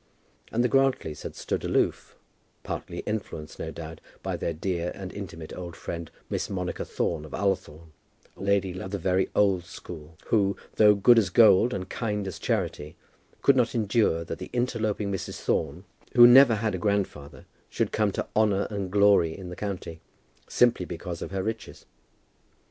And the Grantlys had stood aloof, partly influenced, no doubt, by their dear and intimate old friend Miss Monica Thorne of Ullathorne, a lady of the very old school, who, though good as gold and kind as charity, could not endure that an interloping Mrs. Thorne, who never had a grandfather, should come to honour and glory in the county, simply because of her riches.